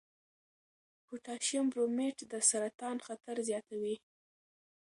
پوټاشیم برومیټ د سرطان خطر زیاتوي.